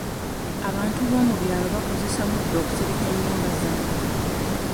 Abantu b'omu byalo bakozesa muddo okusereka ennyumba zaabwe.